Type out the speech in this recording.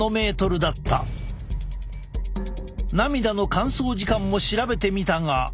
涙の乾燥時間も調べてみたが。